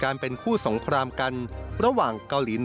การพบกันในวันนี้ปิดท้ายด้วยการรับประทานอาหารค่ำร่วมกัน